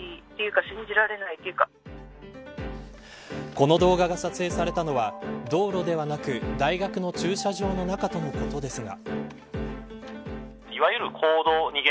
この動画が撮影されたのは道路ではなく、大学の駐車場の中とのことですが。